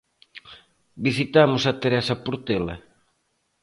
Visitamos a Teresa Portela.